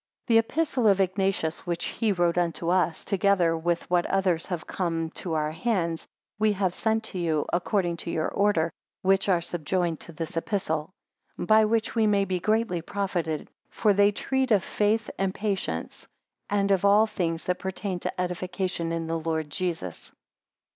14 The Epistle of Ignatius, which he wrote unto us, together with what others of his have come to our hands, we have sent to you, according to your order; which are subjoined to this Epistle: 15 By which we may be greatly profited; for they treat of faith and patience, and of all things that pertain to edification in the Lord Jesus.